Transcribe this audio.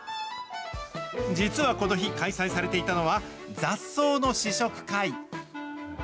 実はこの日、開催されていたのは雑草の試食会。